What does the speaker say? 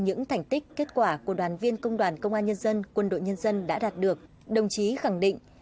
những thành tích kết quả của đoàn viên công đoàn công an nhân dân